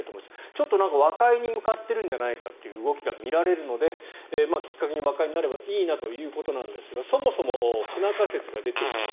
ちょっと和解に向かっているんじゃないかという動きが見られるのできっかけの和解になればいいなということですがそもそも不仲説が出ています。